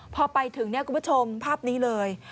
พอไปถึงคุณผู้ชมภาพนี้เลย